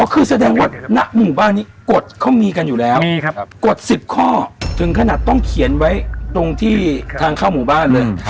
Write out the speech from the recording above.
อ๋อคือแสดงว่าหน้าหมู่บ้านนี้กดเขามีกันอยู่แล้วมีครับกดสิบข้อถึงขณะต้องเขียนไว้ตรงที่ทางเข้าหมู่บ้านเลย